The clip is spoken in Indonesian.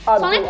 aduh aduh aduh